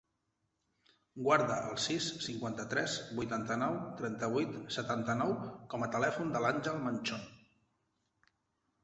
Guarda el sis, cinquanta-tres, vuitanta-nou, trenta-vuit, setanta-nou com a telèfon de l'Àngel Manchon.